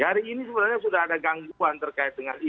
hari ini sudah ada gangguan terkait dengan itu